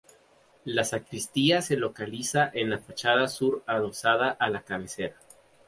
La sacristía se localiza en la fachada sur adosada a la cabecera.